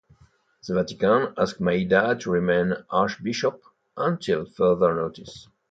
The Vatican asked Maida to remain archbishop until further notice.